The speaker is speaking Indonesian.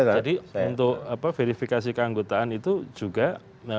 jadi untuk verifikasi keanggotaan itu juga dilakukan secara berat